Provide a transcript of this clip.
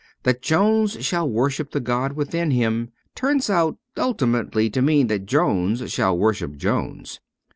That Jones shall worship the god within him turns out ultimately to mean that Jones shall worship Jones.